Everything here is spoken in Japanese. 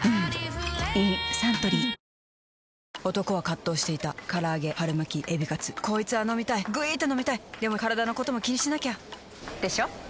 サントリー男は葛藤していた唐揚げ春巻きエビカツこいつぁ飲みたいぐいーーっと飲みたいでもカラダのことも気にしなきゃ！でしょ？